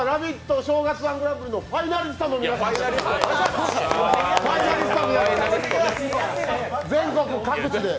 「正月−１グランプリ」のファイナリストの皆さんです。